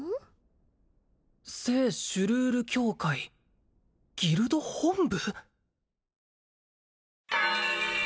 聖シュルール教会ギルド本部？